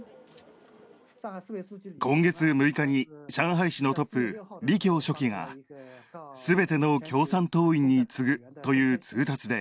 今月６日に上海市のトップ、李強書記が「全ての共産党員に告ぐ」という通達で